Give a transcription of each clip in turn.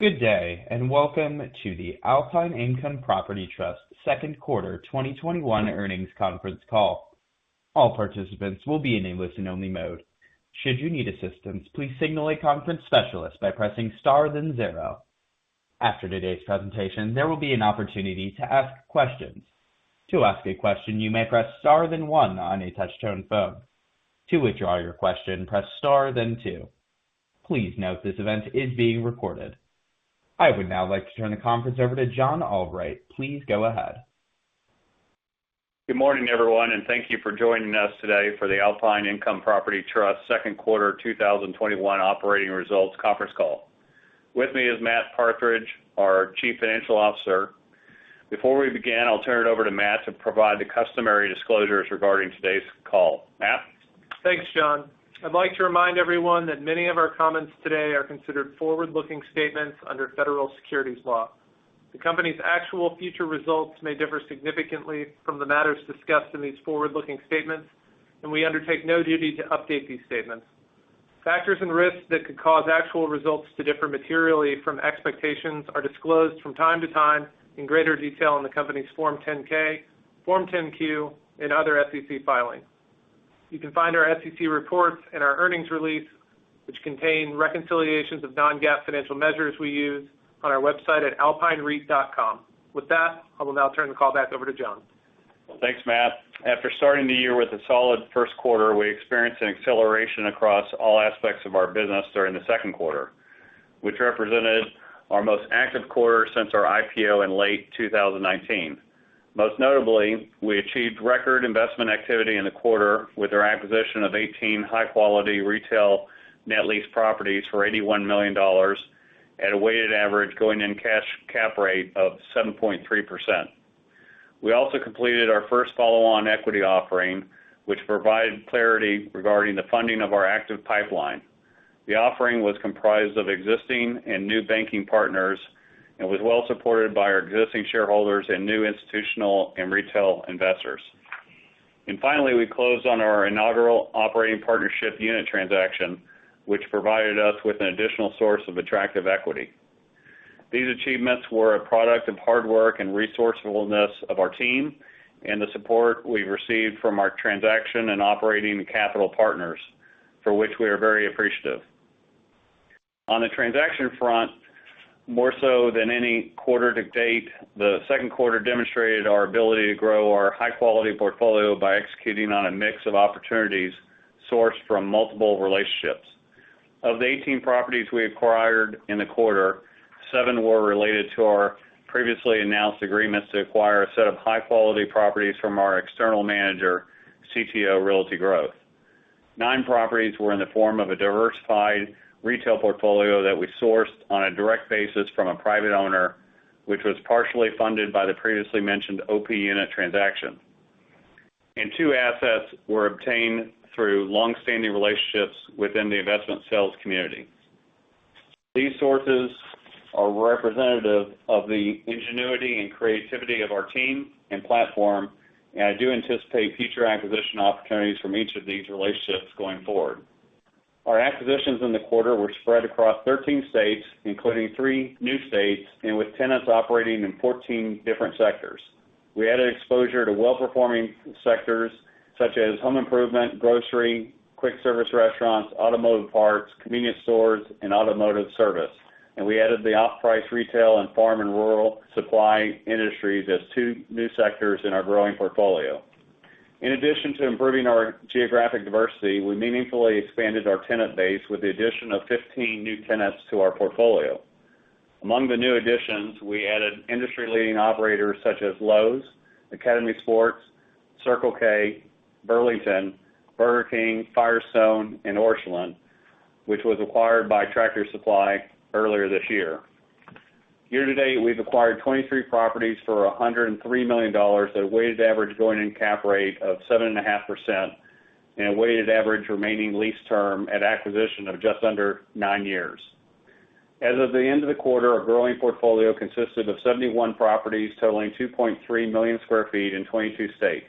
Good day, and welcome to the Alpine Income Property Trust second quarter 2021 earnings conference call. All participants will be in a listen only mode. Should you need assistance, please signal a conference specialist by pressing star then zero. After today's presentation, there will be an opportunity to ask questions. To ask a question, you may press star then one on a touch-tone phone. To withdraw your question, press star then two. Please note this event is being recorded. I would now like to turn the conference over to John Albright. Please go ahead. Good morning everyone, thank you for joining us today for the Alpine Income Property Trust second quarter 2021 operating results conference call. With me is Matt Partridge, our Chief Financial Officer. Before we begin, I'll turn it over to Matt to provide the customary disclosures regarding today's call. Matt? Thanks, John. I'd like to remind everyone that many of our comments today are considered forward-looking statements under federal securities law. The company's actual future results may differ significantly from the matters discussed in these forward-looking statements, and we undertake no duty to update these statements. Factors and risks that could cause actual results to differ materially from expectations are disclosed from time to time in greater detail in the company's Form 10-K, Form 10-Q and other SEC filings. You can find our SEC reports and our earnings release, which contain reconciliations of non-GAAP financial measures we use on our website at alpinereit.com. With that, I will now turn the call back over to John. Thanks, Matt. After starting the year with a solid first quarter, we experienced an acceleration across all aspects of our business during the second quarter, which represented our most active quarter since our IPO in late 2019. Most notably, we achieved record investment activity in the quarter with our acquisition of 18 high-quality retail net lease properties for $81 million at a weighted average going-in cash cap rate of 7.3%. We also completed our first follow-on equity offering, which provided clarity regarding the funding of our active pipeline. The offering was comprised of existing and new banking partners and was well supported by our existing shareholders and new institutional and retail investors. Finally, we closed on our inaugural operating partnership unit transaction, which provided us with an additional source of attractive equity. These achievements were a product of hard work and resourcefulness of our team and the support we've received from our transaction and operating capital partners, for which we are very appreciative. On the transaction front, more so than any quarter to date, the second quarter demonstrated our ability to grow our high-quality portfolio by executing on a mix of opportunities sourced from multiple relationships. Of the 18 properties we acquired in the quarter, seven were related to our previously announced agreements to acquire a set of high-quality properties from our external manager, CTO Realty Growth. nine properties were in the form of a diversified retail portfolio that we sourced on a direct basis from a private owner, which was partially funded by the previously mentioned OP unit transaction. Two assets were obtained through longstanding relationships within the investment sales community. These sources are representative of the ingenuity and creativity of our team and platform, and I do anticipate future acquisition opportunities from each of these relationships going forward. Our acquisitions in the quarter were spread across 13 states, including three new states, with tenants operating in 14 different sectors. We added exposure to well-performing sectors such as home improvement, grocery, quick service restaurants, automotive parts, convenience stores and automotive service. We added the off-price retail and farm and rural supply industries as two new sectors in our growing portfolio. In addition to improving our geographic diversity, we meaningfully expanded our tenant base with the addition of 15 new tenants to our portfolio. Among the new additions, we added industry leading operators such as Lowe's, Academy Sports, Circle K, Burlington, Burger King, Firestone, and Orscheln, which was acquired by Tractor Supply earlier this year. Year to date, we've acquired 23 properties for $103 million at a weighted average going-in cap rate of 7.5% and a weighted average remaining lease term at acquisition of just under nine years. As of the end of the quarter, our growing portfolio consisted of 71 properties totaling 2.3 million sq ft in 22 states.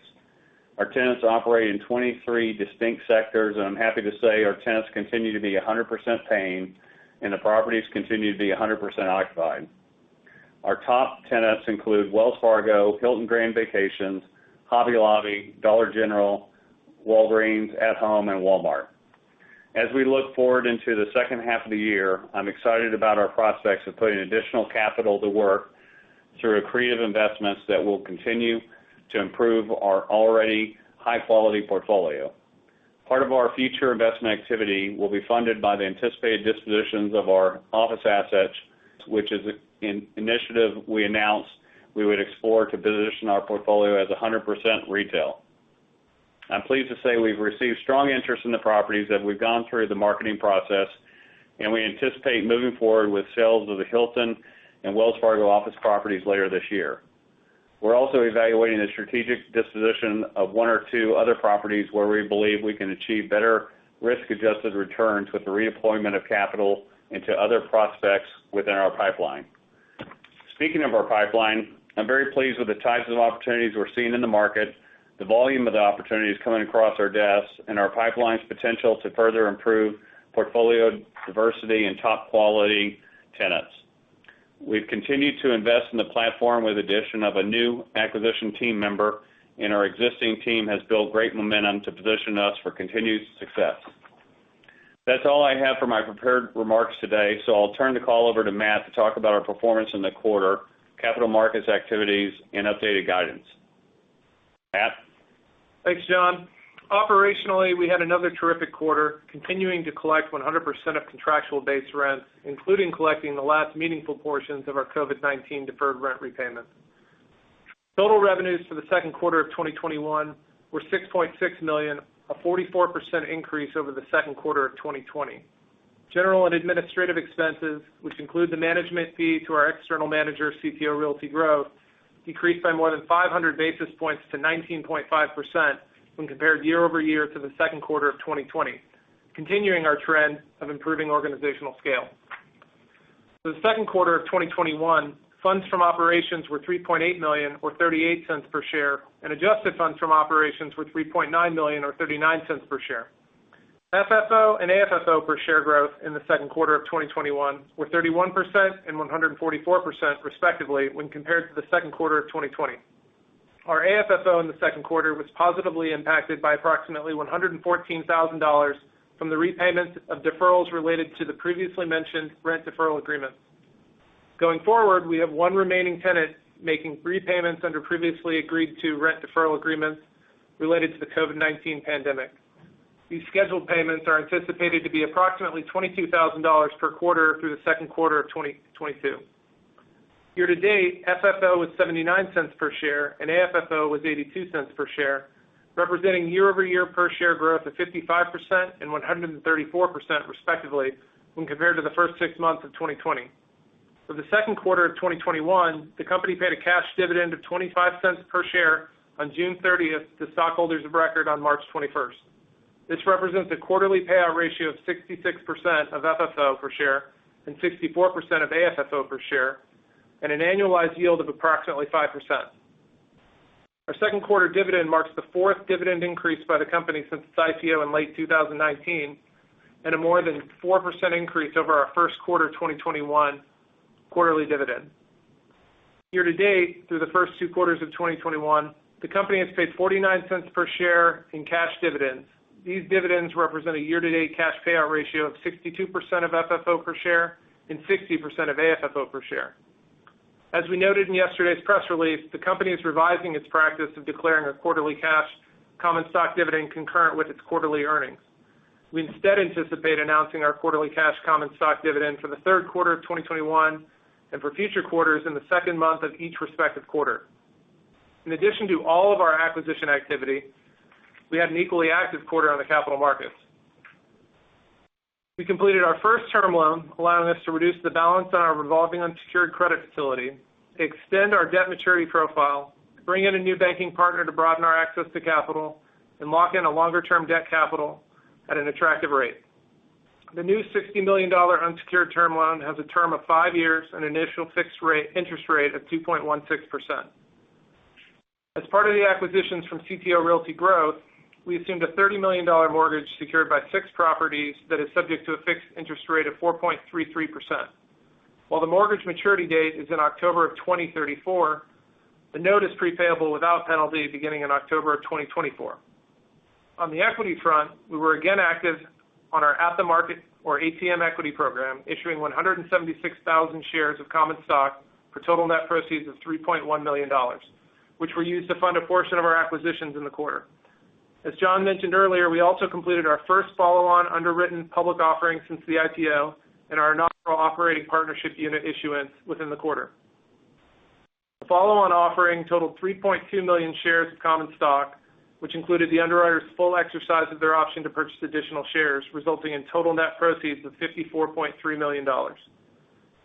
Our tenants operate in 23 distinct sectors, and I'm happy to say our tenants continue to be 100% paying, and the properties continue to be 100% occupied. Our top tenants include Wells Fargo, Hilton Grand Vacations, Hobby Lobby, Dollar General, Walgreens, At Home, and Walmart. As we look forward into the second half of the year, I'm excited about our prospects of putting additional capital to work through accretive investments that will continue to improve our already high-quality portfolio. Part of our future investment activity will be funded by the anticipated dispositions of our office assets, which is an initiative we announced we would explore to position our portfolio as 100% retail. I'm pleased to say we've received strong interest in the properties as we've gone through the marketing process, and we anticipate moving forward with sales of the Hilton and Wells Fargo office properties later this year. We're also evaluating the strategic disposition of one or two other properties where we believe we can achieve better risk-adjusted returns with the redeployment of capital into other prospects within our pipeline. Speaking of our pipeline, I'm very pleased with the types of opportunities we're seeing in the market, the volume of the opportunities coming across our desks, and our pipeline's potential to further improve portfolio diversity and top quality tenants. We've continued to invest in the platform with addition of a new acquisition team member, and our existing team has built great momentum to position us for continued success. That's all I have for my prepared remarks today. I'll turn the call over to Matt to talk about our performance in the quarter, capital markets activities, and updated guidance. Matt? Thanks, John. Operationally, we had another terrific quarter, continuing to collect 100% of contractual base rents, including collecting the last meaningful portions of our COVID-19 deferred rent repayments. Total revenues for the second quarter of 2021 were $6.6 million, a 44% increase over the second quarter of 2020. General and administrative expenses, which include the management fee to our external manager, CTO Realty Growth, decreased by more than 500 basis points to 19.5% when compared year-over-year to the second quarter of 2020, continuing our trend of improving organizational scale. For the second quarter of 2021, funds from operations were $3.8 million, or $0.38 per share, and adjusted funds from operations were $3.9 million, or $0.39 per share. FFO and AFFO per share growth in the second quarter of 2021 were 31% and 144% respectively when compared to the second quarter of 2020. Our AFFO in the second quarter was positively impacted by approximately $114,000 from the repayments of deferrals related to the previously mentioned rent deferral agreement. Going forward, we have one remaining tenant making repayments under previously agreed to rent deferral agreements related to the COVID-19 pandemic. These scheduled payments are anticipated to be approximately $22,000 per quarter through the second quarter of 2022. Year to date, FFO was $0.79 per share, and AFFO was $0.82 per share, representing year-over-year per share growth of 55% and 134% respectively when compared to the first six months of 2020. For the second quarter of 2021, the company paid a cash dividend of $0.25 per share on June 30th to stockholders of record on March 21st. This represents a quarterly payout ratio of 66% of FFO per share and 64% of AFFO per share, and an annualized yield of approximately 5%. Our second quarter dividend marks the fourth dividend increase by the company since its IPO in late 2019, and a more than 4% increase over our first quarter 2021 quarterly dividend. Year to date, through the first two quarters of 2021, the company has paid $0.49 per share in cash dividends. These dividends represent a year to date cash payout ratio of 62% of FFO per share and 60% of AFFO per share. As we noted in yesterday's press release, the company is revising its practice of declaring a quarterly cash common stock dividend concurrent with its quarterly earnings. We instead anticipate announcing our quarterly cash common stock dividend for the third quarter of 2021, and for future quarters in the second month of each respective quarter. In addition to all of our acquisition activity, we had an equally active quarter on the capital markets. We completed our first term loan, allowing us to reduce the balance on our revolving unsecured credit facility, extend our debt maturity profile, bring in a new banking partner to broaden our access to capital, and lock in a longer-term debt capital at an attractive rate. The new $60 million unsecured term loan has a term of five years and initial fixed interest rate of 2.16%. As part of the acquisitions from CTO Realty Growth, we assumed a $30 million mortgage secured by six properties that is subject to a fixed interest rate of 4.33%. While the mortgage maturity date is in October of 2034, the note is pre-payable without penalty beginning in October of 2024. On the equity front, we were again active on our at-the-market, or ATM equity program, issuing 176,000 shares of common stock for total net proceeds of $3.1 million, which were used to fund a portion of our acquisitions in the quarter. As John mentioned earlier, we also completed our first follow-on underwritten public offering since the IPO and our non-operating partnership unit issuance within the quarter. The follow-on offering totaled 3.2 million shares of common stock, which included the underwriter's full exercise of their option to purchase additional shares, resulting in total net proceeds of $54.3 million.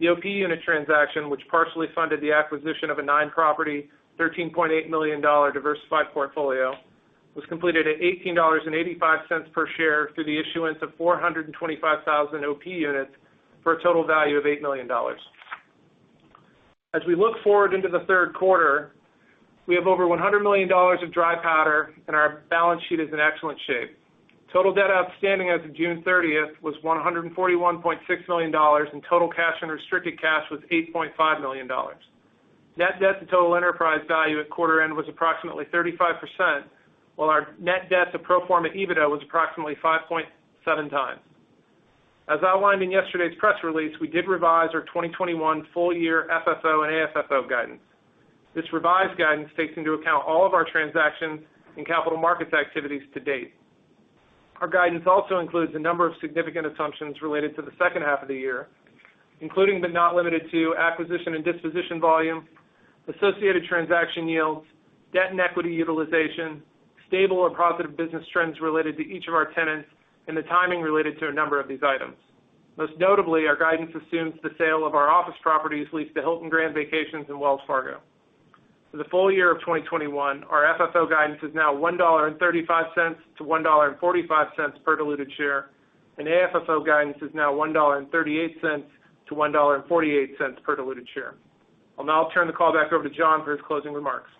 The OP unit transaction, which partially funded the acquisition of a nine property, $13.8 million diversified portfolio, was completed at $18.85 per share through the issuance of 425,000 OP units for a total value of $8 million. As we look forward into the third quarter, we have over $100 million of dry powder and our balance sheet is in excellent shape. Total debt outstanding as of June 30th was $141.6 million, and total cash and restricted cash was $8.5 million. Net debt to total enterprise value at quarter end was approximately 35%, while our net debt to pro forma EBITDA was approximately 5.7 times. As outlined in yesterday's press release, we did revise our 2021 full year FFO and AFFO guidance. This revised guidance takes into account all of our transactions and capital markets activities to date. Our guidance also includes a number of significant assumptions related to the second half of the year, including, but not limited to acquisition and disposition volume, associated transaction yields, debt and equity utilization, stable or positive business trends related to each of our tenants, and the timing related to a number of these items. Most notably, our guidance assumes the sale of our office properties leased to Hilton Grand Vacations and Wells Fargo. For the full year of 2021, our FFO guidance is now $1.35-$1.45 per diluted share, and AFFO guidance is now $1.38-$1.48 per diluted share. I'll now turn the call back over to John for his closing remarks.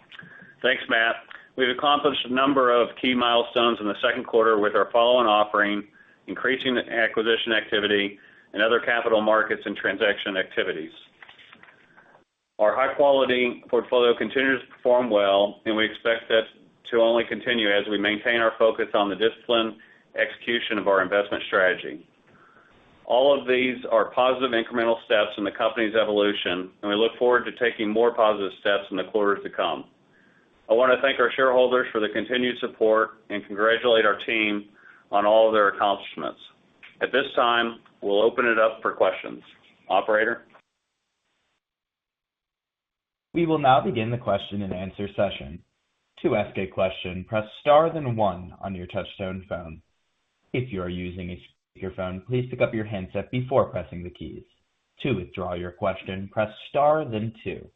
Thanks, Matt. We've accomplished a number of key milestones in the second quarter with our follow-on offering, increasing the acquisition activity, and other capital markets and transaction activities. Our high-quality portfolio continues to perform well, and we expect that to only continue as we maintain our focus on the disciplined execution of our investment strategy. All of these are positive incremental steps in the company's evolution, and we look forward to taking more positive steps in the quarters to come. I want to thank our shareholders for the continued support and congratulate our team on all of their accomplishments. At this time, we'll open it up for questions. Operator? We will now begin the question and answer session. To ask a question, press star then one on your touchtone phone. If you are using a speakerphone, please pick up your handset before pressing the keys. To withdraw your question, press star then two.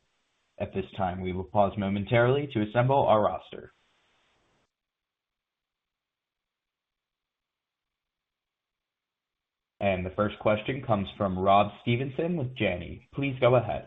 At this time, we will pause momentarily to assemble our roster. The first question comes from Rob Stevenson with Janney. Please go ahead.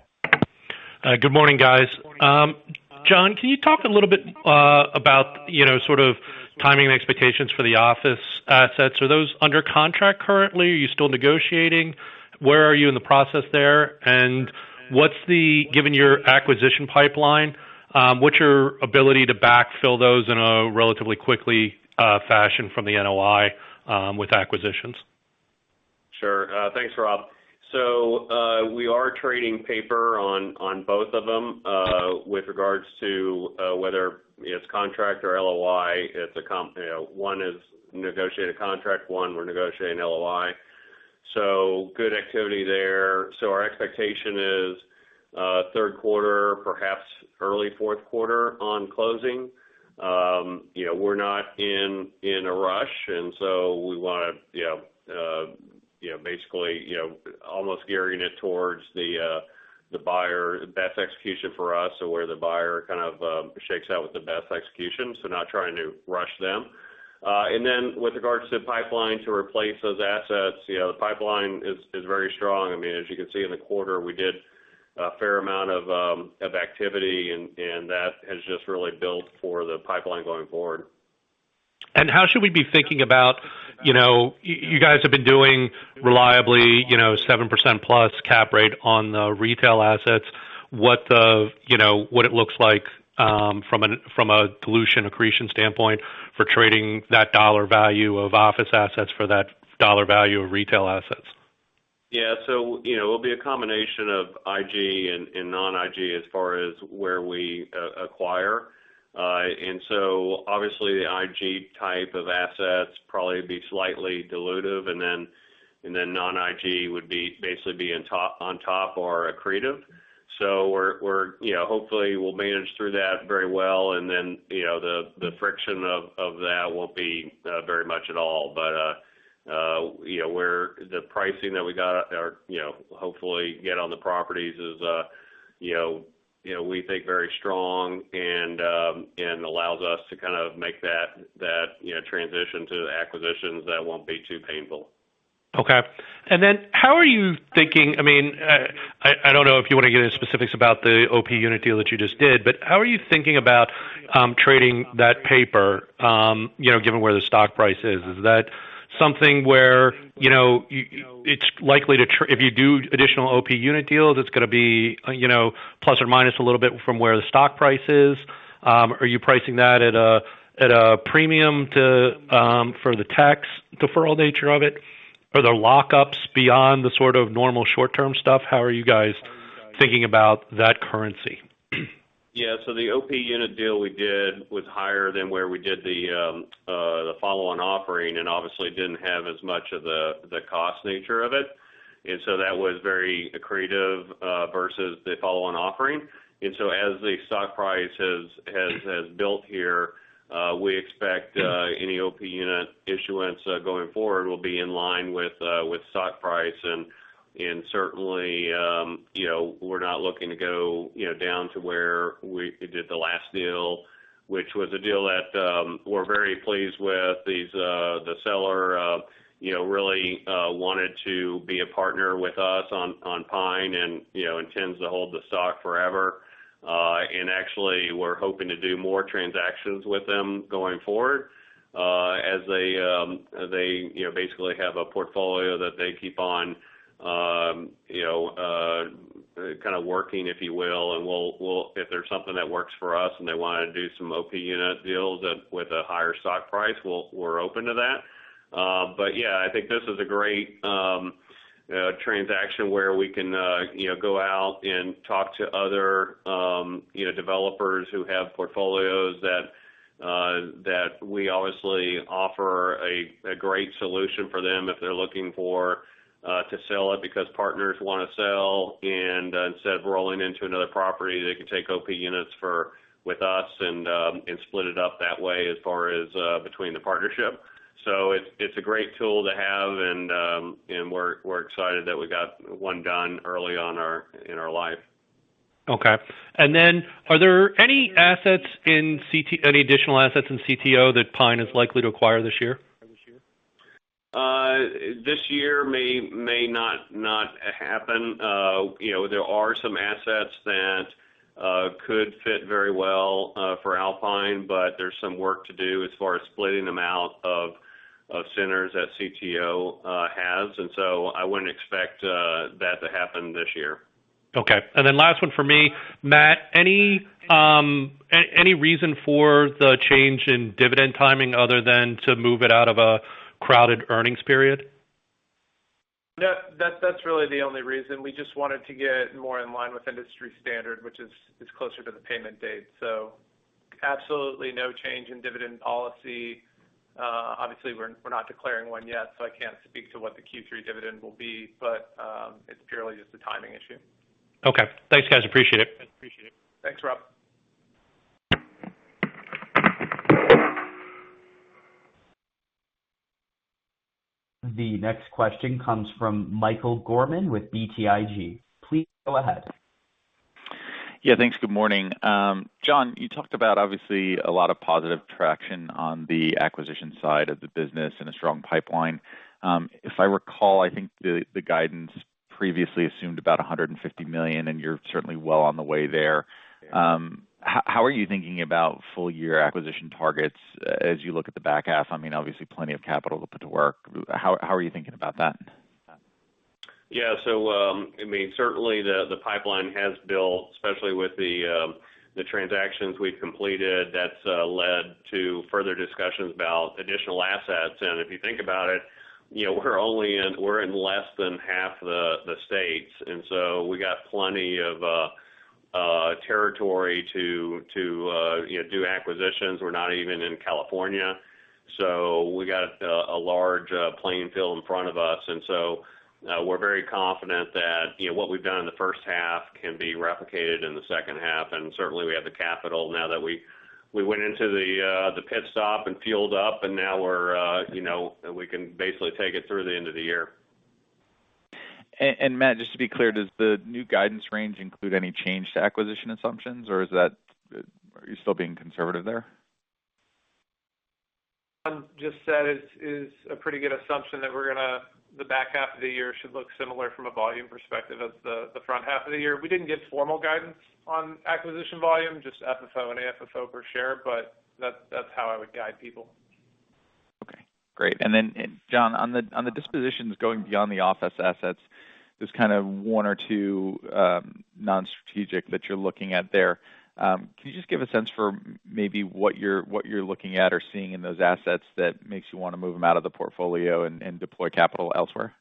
Good morning, guys. John, can you talk a little bit about sort of timing and expectations for the office assets? Are those under contract currently? Are you still negotiating? Where are you in the process there? Given your acquisition pipeline, what's your ability to backfill those in a relatively quickly fashion from the NOI with acquisitions? Sure. Thanks, Rob. We are trading paper on both of them with regards to whether it's contract or LOI. One is negotiated contract, one we're negotiating LOI. Good activity there. Our expectation is third quarter, perhaps early fourth quarter on closing. We're not in a rush, we want to basically almost gearing it towards the buyer, best execution for us. Where the buyer kind of shakes out with the best execution, not trying to rush them. With regards to the pipeline to replace those assets, the pipeline is very strong. As you can see in the quarter, we did a fair amount of activity, and that has just really built for the pipeline going forward. How should we be thinking about, you guys have been doing reliably 7%+ cap rate on the retail assets. What it looks like from a dilution accretion standpoint for trading that dollar value of office assets for that dollar value of retail assets? It'll be a combination of IG and non-IG as far as where we acquire. Obviously the IG type of assets probably would be slightly dilutive, and then non-IG would basically be on top or accretive. Hopefully we'll manage through that very well, and then the friction of that won't be very much at all. The pricing that we got or hopefully get on the properties is, we think very strong and allows us to kind of make that transition to acquisitions that won't be too painful. Okay. How are you thinking I don't know if you want to get into specifics about the OP unit deal that you just did, but how are you thinking about trading that paper given where the stock price is? Is that something where if you do additional OP unit deals, it's going to be plus or minus a little bit from where the stock price is? Are you pricing that at a premium for the tax deferral nature of it? Are there lockups beyond the sort of normal short-term stuff? How are you guys thinking about that currency? Yeah. The OP unit deal we did was higher than where we did the follow-on offering, and obviously it didn't have as much of the cost nature of it. That was very accretive versus the follow-on offering. As the stock price has built here, we expect any OP unit issuance going forward will be in line with stock price. Certainly, we're not looking to go down to where we did the last deal, which was a deal that we're very pleased with. The seller really wanted to be a partner with us on PINE and intends to hold the stock forever. Actually, we're hoping to do more transactions with them going forward as they basically have a portfolio that they keep on kind of working, if you will. If there's something that works for us and they want to do some OP unit deals with a higher stock price, we're open to that. Yeah, I think this is a great transaction where we can go out and talk to other developers who have portfolios that we obviously offer a great solution for them if they're looking to sell it because partners want to sell, and instead of rolling into another property, they can take OP units for us and split it up that way as far as between the partnership. It's a great tool to have, and we're excited that we got one done early on in our life. Okay. Are there any additional assets in CTO that PINE is likely to acquire this year? This year may not happen. There are some assets that could fit very well for Alpine, but there's some work to do as far as splitting them out of centers that CTO has. I wouldn't expect that to happen this year. Okay. Last one for me, Matt. Any reason for the change in dividend timing other than to move it out of a crowded earnings period? That's really the only reason. We just wanted to get more in line with industry standard, which is closer to the payment date. Absolutely no change in dividend policy. Obviously, we're not declaring one yet, so I can't speak to what the Q3 dividend will be, but it's purely just a timing issue. Okay. Thanks, guys, appreciate it. Thanks, Rob. The next question comes from Michael Gorman with BTIG. Please go ahead. Yeah. Thanks. Good morning. John, you talked about, obviously, a lot of positive traction on the acquisition side of the business and a strong pipeline. If I recall, I think the guidance previously assumed about $150 million. You're certainly well on the way there. How are you thinking about full-year acquisition targets as you look at the back half? I mean, obviously, plenty of capital to put to work. How are you thinking about that? Yeah. Certainly, the pipeline has built, especially with the transactions we've completed, that's led to further discussions about additional assets. If you think about it, we're in less than half the states, we got plenty of territory to do acquisitions. We're not even in California. We got a large playing field in front of us, we're very confident that what we've done in the first half can be replicated in the second half. Certainly, we have the capital now that we went into the pit stop and fueled up, and now we can basically take it through the end of the year. Matt, just to be clear, does the new guidance range include any change to acquisition assumptions, or are you still being conservative there? John just said is a pretty good assumption that the back half of the year should look similar from a volume perspective as the front half of the year. We didn't give formal guidance on acquisition volume, just FFO and AFFO per share, but that's how I would guide people. Okay, great. John, on the dispositions going beyond the office assets, those kind of one or two non-strategic that you're looking at there, can you just give a sense for maybe what you're looking at or seeing in those assets that makes you want to move them out of the portfolio and deploy capital elsewhere?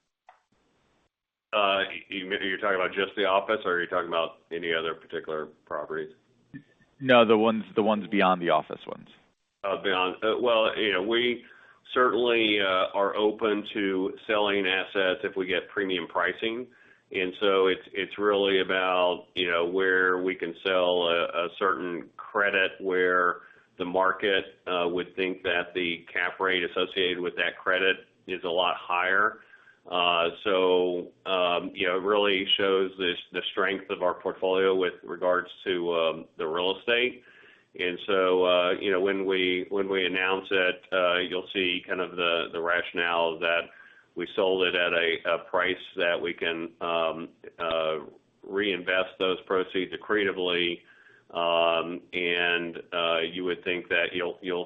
You're talking about just the office, or are you talking about any other particular properties? No, the ones beyond the office ones. Beyond. Well, we certainly are open to selling assets if we get premium pricing. It's really about where we can sell a certain credit where the market would think that the cap rate associated with that credit is a lot higher. Really shows the strength of our portfolio with regards to the real estate. When we announce it, you'll see kind of the rationale that we sold it at a price that we can reinvest those proceeds accretively. You'll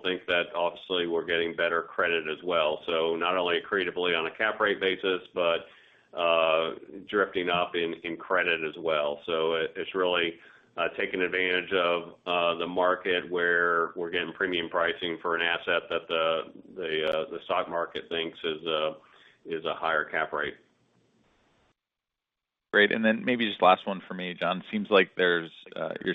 think that obviously, we're getting better credit as well. Not only accretively on a cap rate basis, but drifting up in credit as well. It's really taking advantage of the market where we're getting premium pricing for an asset that the stock market thinks is a higher cap rate. Great. Then maybe just last one for me, John. Seems like you're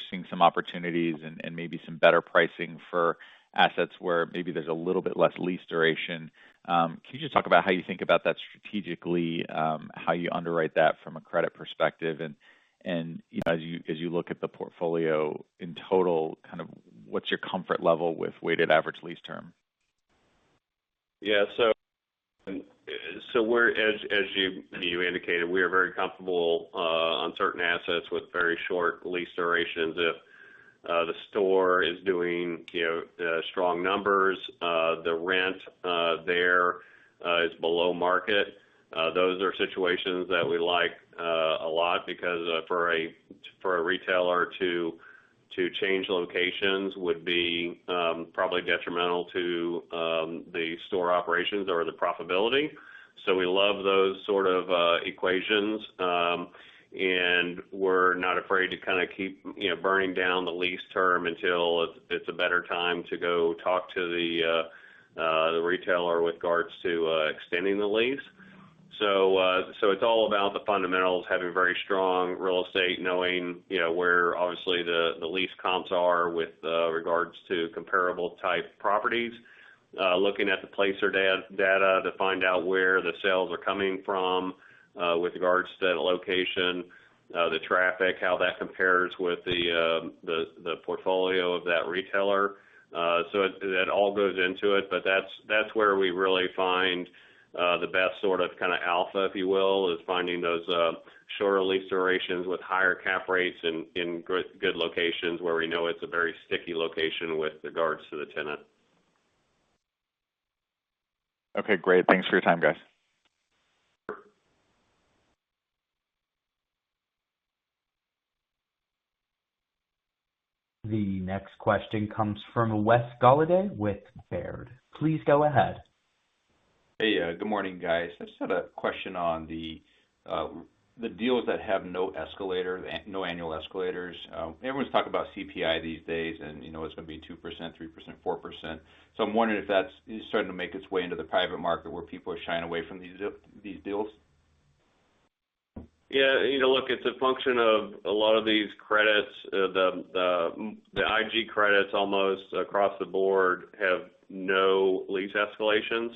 seeing some opportunities and maybe some better pricing for assets where maybe there's a little bit less lease duration. Can you just talk about how you think about that strategically, how you underwrite that from a credit perspective and as you look at the portfolio in total, kind of what's your comfort level with weighted average lease term? Yeah. As you indicated, we are very comfortable on certain assets with very short lease durations. If the store is doing strong numbers, the rent there is below market. Those are situations that we like a lot because for a retailer to change locations would be probably detrimental to the store operations or the profitability. We love those sort of equations. We're not afraid to kind of keep burning down the lease term until it's a better time to go talk to the retailer with regards to extending the lease. It's all about the fundamentals, having very strong real estate, knowing where obviously the lease comps are in regards to comparable type properties, looking at the Placer.ai data to find out where the sales are coming from with regards to the location, the traffic, how that compares with the portfolio of that retailer. That all goes into it, but that's where we really find the best sort of alpha, if you will, is finding those shorter lease durations with higher cap rates in good locations where we know it's a very sticky location with regards to the tenant. Okay, great. Thanks for your time, guys. The next question comes from Wes Golladay with Baird. Please go ahead. Hey, good morning, guys. I just had a question on the deals that have no annual escalators. Everyone's talking about CPI these days, and it's going to be 2%, 3%, 4%. I'm wondering if that's starting to make its way into the private market where people are shying away from these deals. Look, it's a function of a lot of these credits. The IG credits almost across the board have no lease escalations.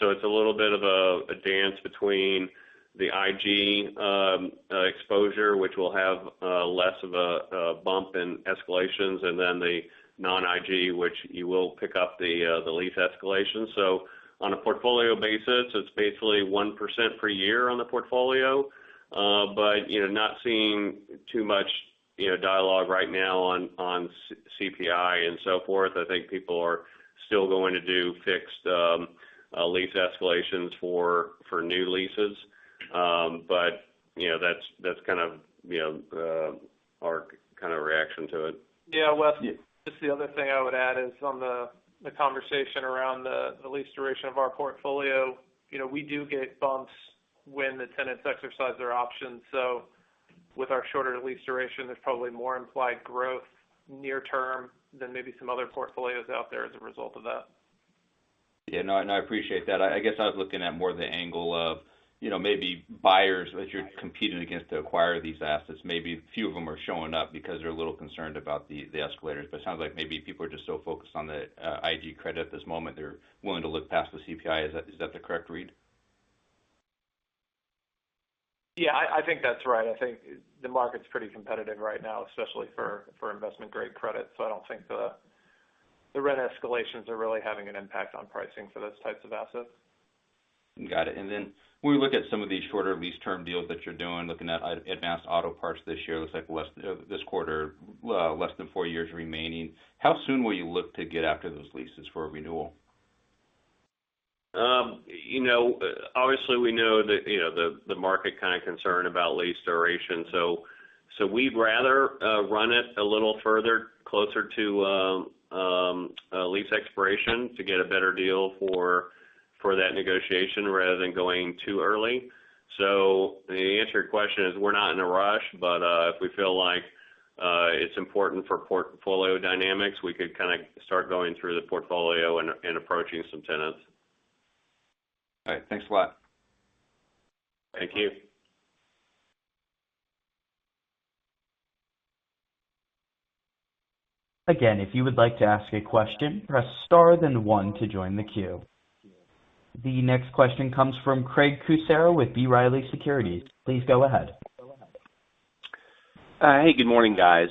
It's a little bit of a dance between the IG exposure, which will have less of a bump in escalations, and then the non-IG, which you will pick up the lease escalation. On a portfolio basis, it's basically 1% per year on the portfolio. Not seeing too much dialogue right now on CPI and so forth. I think people are still going to do fixed lease escalations for new leases. That's our kind of reaction to it. Yeah, Wes, just the other thing I would add is on the conversation around the lease duration of our portfolio. We do get bumps when the tenants exercise their options. With our shorter lease duration, there's probably more implied growth near term than maybe some other portfolios out there as a result of that. Yeah, no, I appreciate that. I guess I was looking at more the angle of maybe buyers that you're competing against to acquire these assets. Maybe few of them are showing up because they're a little concerned about the escalators, but it sounds like maybe people are just so focused on the IG credit at this moment, they're willing to look past the CPI. Is that the correct read? I think that's right. I think the market's pretty competitive right now, especially for investment-grade credit. I don't think the rent escalations are really having an impact on pricing for those types of assets. Got it. When we look at some of these shorter lease term deals that you're doing, looking at Advance Auto Parts this year, it looks like this quarter, less than 4 years remaining. How soon will you look to get after those leases for a renewal? Obviously, we know that the market kind of concerned about lease duration. We'd rather run it a little further closer to lease expiration to get a better deal for that negotiation rather than going too early. The answer to your question is we're not in a rush, but if we feel like it's important for portfolio dynamics, we could kind of start going through the portfolio and approaching some tenants. All right. Thanks a lot. Thank you. The next question comes from Craig Kucera with B. Riley Securities. Please go ahead. Hey, good morning, guys.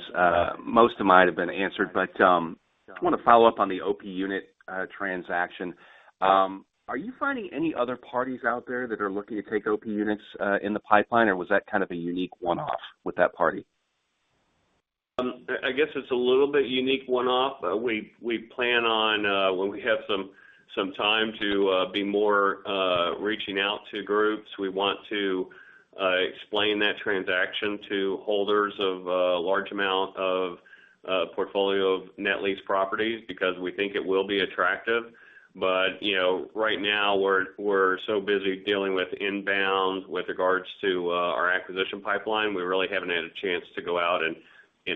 Most of mine have been answered. I just want to follow up on the OP unit transaction. Are you finding any other parties out there that are looking to take OP units in the pipeline, or was that kind of a unique one-off with that party? I guess it's a little bit unique one-off. We plan on when we have some time to be more reaching out to groups. We want to explain that transaction to holders of a large amount of portfolio of net lease properties because we think it will be attractive. Right now, we're so busy dealing with inbound with regards to our acquisition pipeline. We really haven't had a chance to go out and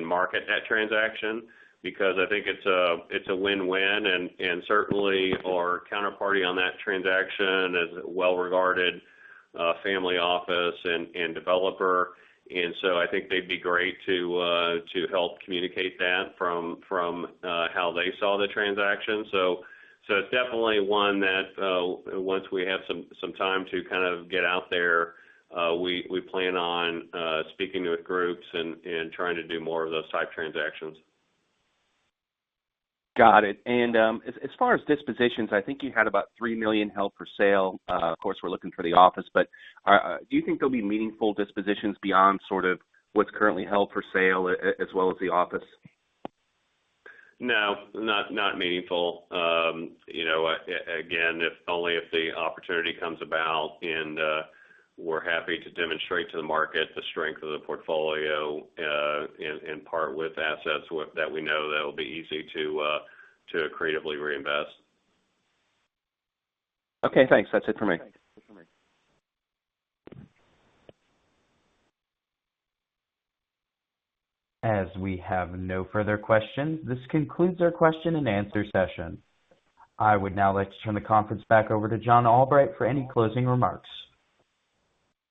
market that transaction because I think it's a win-win, and certainly our counterparty on that transaction is a well-regarded family office and developer. I think they'd be great to help communicate that from how they saw the transaction. It's definitely one that once we have some time to kind of get out there, we plan on speaking with groups and trying to do more of those type transactions. Got it. As far as dispositions, I think you had about $3 million held for sale. Of course, we're looking for the office, but do you think there'll be meaningful dispositions beyond sort of what's currently held for sale as well as the office? No, not meaningful. Again, only if the opportunity comes about and we're happy to demonstrate to the market the strength of the portfolio in part with assets that we know that will be easy to accretively reinvest. Okay, thanks. That's it for me. As we have no further questions, this concludes our question and answer session. I would now like to turn the conference back over to John Albright for any closing remarks.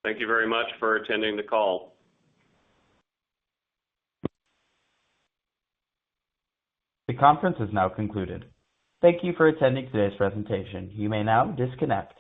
Thank you very much for attending the call. The conference is now concluded. Thank you for attending today's presentation. You may now disconnect.